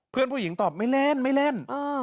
เพื่อนผู้หญิงตอบไม่เล่นไม่เล่น